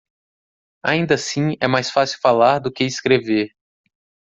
ainda assim é mais fácil falar, do que escrever.